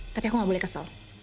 tapi aku gak boleh kesel